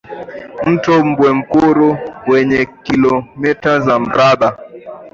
Mto Mbwemkuru wenye kilometa za mraba